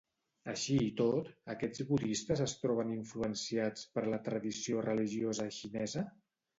Així i tot, aquests budistes es troben influenciats per la tradició religiosa xinesa?